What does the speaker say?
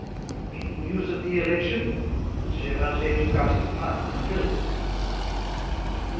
"Any news of the election?" and Gévingey took out his pipe and filled it. "No.